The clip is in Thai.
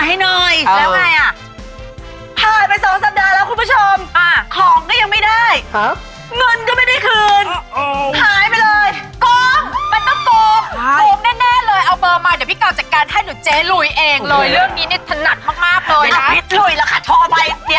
ให้หนูเจษฐ์หลุยเองเลยเรื่องนี้เนี่ยถนัดมากเลย